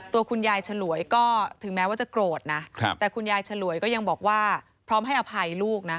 ตัวคุณยายฉลวยก็ถึงแม้ว่าจะโกรธนะแต่คุณยายฉลวยก็ยังบอกว่าพร้อมให้อภัยลูกนะ